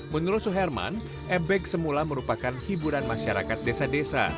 menurut suherman ebek semula merupakan hiburan masyarakat desa desa